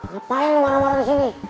ngapain marah marah di sini